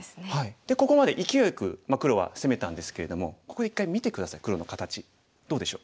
でここまでいきおいよく黒は攻めたんですけれどもここで一回見て下さい黒の形どうでしょう？